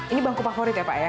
ini bangku favorit ya pak ya